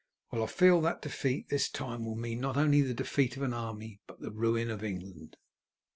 Well, I feel that defeat this time will mean not only the defeat of an army but the ruin of England."